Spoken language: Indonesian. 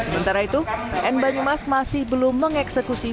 sementara itu pn banyumas masih belum mengeksekusi